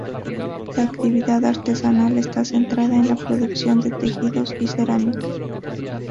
La actividad artesanal está centrada en la producción de tejidos y cerámica.